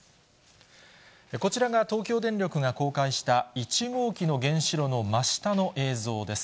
こちらが東京電力が公開した１号機の原子炉の真下の映像です。